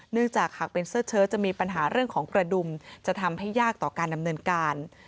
เนื่องจากหากเป็นเสื้อเชิดจะมีปัญหาเรื่องของกระดุมจะทำให้ยากต่อการดำเนินการ